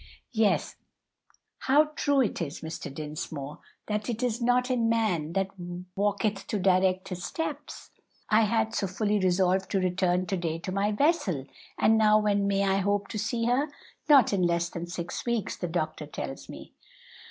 '" "Yes; how true it is, Mr. Dinsmore, that 'it is not in man that walketh to direct his steps'! I had so fully resolved to return to day to my vessel, and now when may I hope to see her? Not in less than six weeks, the doctor tells me."